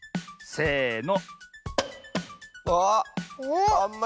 せの。